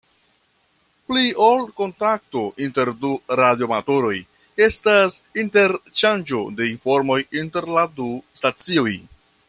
Pli ol kontakto inter du radioamatoroj estas interŝanĝo de informoj inter la du stacioj.